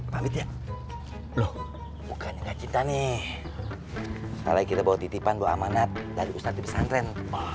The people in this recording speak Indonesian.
pamit ya loh bukan kita nih kita bawa titipan buat amanat dari ustadz besantren